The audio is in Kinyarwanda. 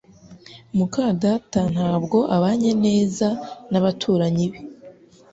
muka data ntabwo abanye neza nabaturanyi be